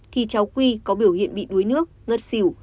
thì cháu n c a qi có biểu hiện bị đuối nước ngất xỉu